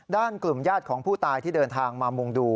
กลุ่มญาติของผู้ตายที่เดินทางมามุงดู